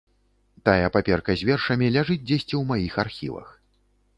Тая паперка з вершамі ляжыць дзесьці ў маіх архівах.